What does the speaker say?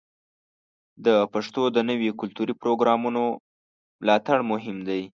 د پښتو د نویو کلتوري پروګرامونو ملاتړ مهم دی.